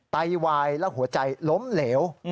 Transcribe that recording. ไตวายและหัวใจล้มเหลว